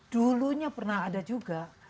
dulunya pernah ada juga